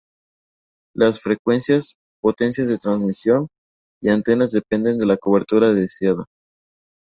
Las frecuencias, potencia de transmisión y antenas dependen de la cobertura deseada.